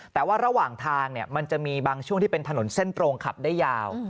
แต่ว่าระหว่างทางมันจะมีบางช่วงที่เป็นถนนเส้นตรงขับได้ยาว